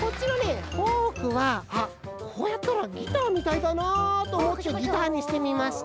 フォークは「あっこうやったらギターみたいだな」とおもってギターにしてみました。